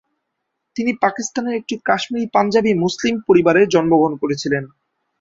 তিনি পাকিস্তানের একটি কাশ্মীরি-পাঞ্জাবি মুসলিম পরিবারে জন্মগ্রহণ করেছেন।